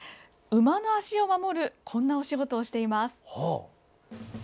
馬の足を守るこんなお仕事をしています。